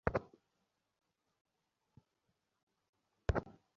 তিনি মঞ্চ, পর্দা ও বেতারে অভিনয় করতেন।